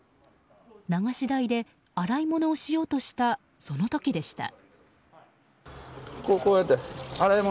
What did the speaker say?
流し台で洗い物をしようとしたその時でした。